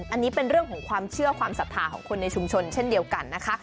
อันนี้เป็นเรื่องของความเชื่อความศรัทธาของคนในชุมชนเช่นเดียวกันนะคะ